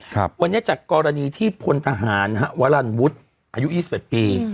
วันนี้จากกรณีที่พลทหารวัลันวุฒิอายุ๒๘ปี